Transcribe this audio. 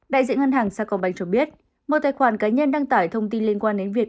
đại diện ngân hàng sa công banh cho biết một tài khoản cá nhân đăng tải thông tin liên quan đến việc